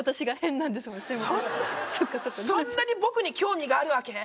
そんなに僕に興味があるわけ？